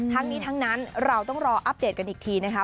ทั้งนี้ทั้งนั้นเราต้องรออัปเดตกันอีกทีนะคะ